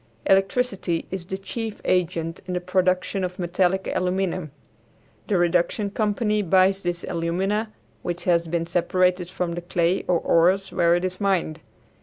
Electricity is the chief agent in the production of metallic aluminum. The reduction company buys this alumina, which has been separated from the clay or ores where it is mined.